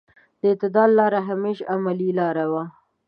د اعتدال لاره همېش عملي لاره وي.